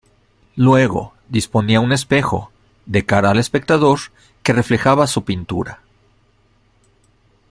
Luego, disponía un espejo, de cara al espectador, que reflejaba su pintura.